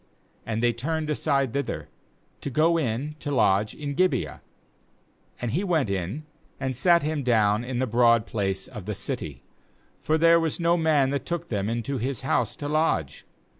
15And they turned aside thither, to go in to lodge in Gibeah; and he went in, and sat^him down in the broad place of the city; for there was no man that took them into his house to lodge.